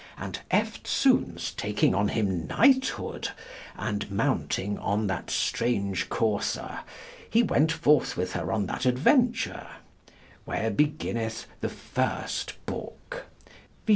And eftesoones taking on him knighthood, and mounting on that straunge courser, he went forth with her on that adventure: where beginneth the first booke vz.